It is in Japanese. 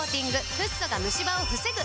フッ素がムシ歯を防ぐ！